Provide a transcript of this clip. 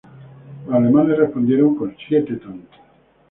Los alemanes respondieron con siete tantos.